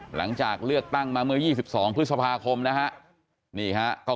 หลังจากเลือกตั้งมาเมื่อยี่สิบสองพฤษภาคมนะครับนี่ฮะ